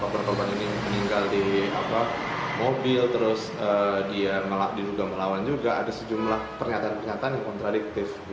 korban ini meninggal di mobil terus dia diduga melawan juga ada sejumlah pernyataan pernyataan yang kontradiktif